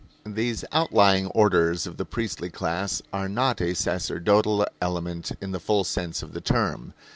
These outlying orders of the priestly class are not a sacerdotal element in the full sense of the term.